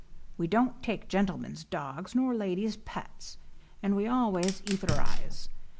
We don't take gentlemen's dogs, nor ladies' pets. And we always etherize.